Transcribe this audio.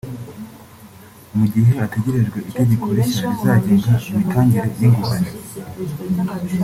Mu gihe hategerejwe itegeko rishya rizagenga imitangire y’inguzanyo